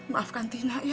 pak ustadz maafkan tina ya